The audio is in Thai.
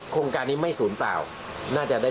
โครงการนี้ไม่ศูนย์เปล่าน่าจะได้